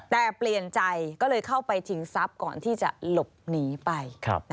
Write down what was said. แต่เปลี่ยนใจก็เลยเข้าไปชิงทรัพย์ก่อนที่จะหลบหนีไป